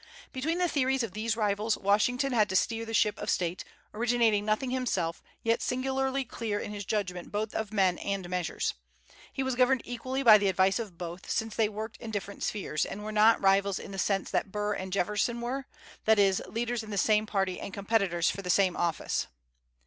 Between the theories of these rivals, Washington had to steer the ship of state, originating nothing himself, yet singularly clear in his judgment both of men and measures. He was governed equally by the advice of both, since they worked in different spheres, and were not rivals in the sense that Burr and Jefferson were, that is, leaders in the same party and competitors for the same office.